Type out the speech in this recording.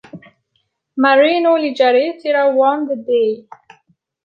Marino Lejarreta won the day.